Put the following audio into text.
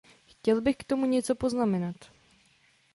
Chtěl bych k tomu něco poznamenat.